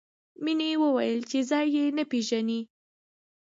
مینې وویل چې ځای یې نه پېژني